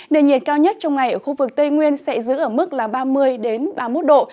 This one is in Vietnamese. nền nhiệt cao nhất trong ngày ở khu vực tây nguyên sẽ giữ ở mức là ba mươi ba mươi một độ